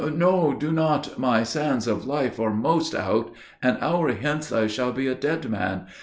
"No, do not, my sands of life are most out. An hour hence, I shall be a dead man.